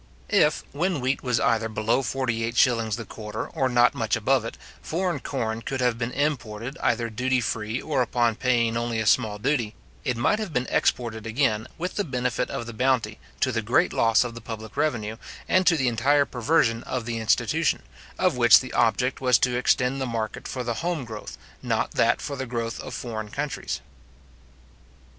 If, when wheat was either below 48s. the quarter, or not much above it, foreign corn could have been imported, either duty free, or upon paying only a small duty, it might have been exported again, with the benefit of the bounty, to the great loss of the public revenue, and to the entire perversion of the institution, of which the object was to extend the market for the home growth, not that for the growth of foreign countries.